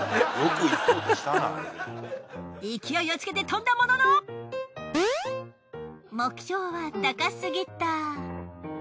勢いをつけて跳んだものの目標は高すぎた。